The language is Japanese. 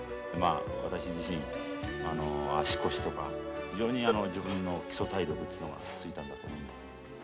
まあ私自身足腰とか非常に自分の基礎体力というのがついたんだと思います。